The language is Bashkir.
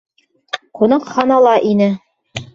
Ҡунаҡханала ине.